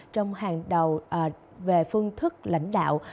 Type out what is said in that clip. trong hàng đầu về phương thức lãnh đạo